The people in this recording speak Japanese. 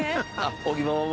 尾木ママも。